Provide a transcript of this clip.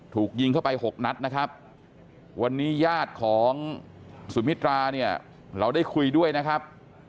ถูกยิงเข้าไปหกนัดนะครับวันนี้ญาติของสุมิตราเนี่ยเราได้คุยด้วยนะครับ